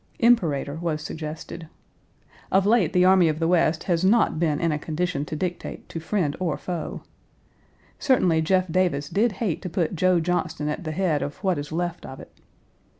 "Imperator" was suggested. Of late the Army of the West has not been in a condition to dictate to friend or foe. Certainly Jeff Davis did hate to put Joe Johnston at the head of what is left of it.